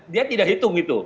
dia tidak hitung itu